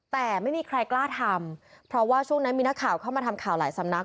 แต่ไม่มีใครกล้าทำเพราะว่าช่วงนั้นมีนักข่าวเข้ามาทำข่าวหลายสำนัก